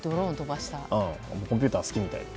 コンピューター好きみたいです。